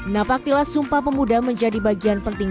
nah faktilah sumpah pemuda menjadi bagian penting